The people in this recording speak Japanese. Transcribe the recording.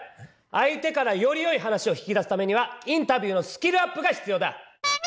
相手からよりよい話を引き出すためにはインタビューのスキルアップが必要だ！